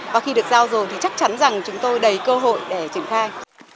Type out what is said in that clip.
và khi được giao rồi thì chắc chắn rằng chúng tôi đầy cơ hội để triển khai